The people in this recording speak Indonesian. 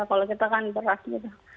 kalau kita kan beras gitu